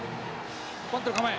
バントの構え。